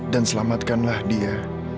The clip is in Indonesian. dan selamatkanlah dia